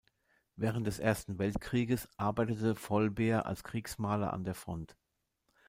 Während des Ersten Weltkriegs arbeitete Vollbehr als Kriegsmaler an der Front.